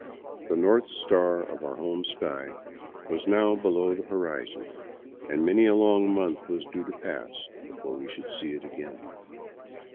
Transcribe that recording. The north star of our home sky was now below the horizon, and many a long month was due to pass before we should see it again.